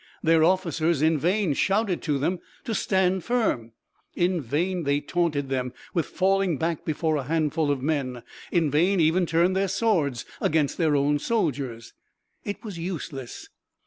Their officers, in vain, shouted to them to stand firm. In vain they taunted them with falling back before a handful of men. In vain even turned their swords against their own soldiers. It was useless.